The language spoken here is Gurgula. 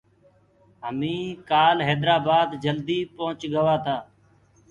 همينٚ ڪآل حيدرآبآد جلدي پنٚوهچ گوآ تآ۔